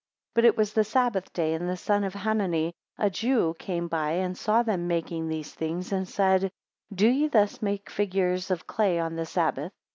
18 But it was the Sabbath day, and the son of Hanani a Jew came by, and saw them making these things, and said, Do ye thus make figures of clay on the Sabbath?